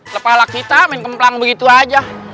kepala kita main kemplang begitu aja